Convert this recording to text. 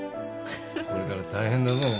これから大変だぞお前